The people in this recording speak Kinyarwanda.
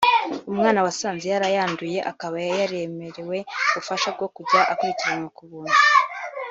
umwana wasanze yarayanduye akaba yemerewe ubufasha bwo kujya akurikiranwa ku buntu